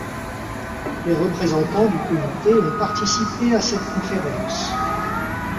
Les représentants du comité ont participé à cette conférence.